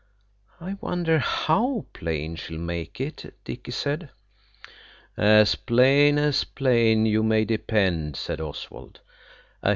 "I wonder how plain she'll make it?" Dicky said. "As plain as plain, you may depend," said Oswald.